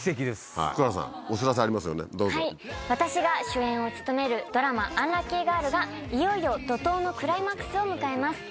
はい私が主演を務めるドラマ『アンラッキーガール！』がいよいよ怒濤のクライマックスを迎えます。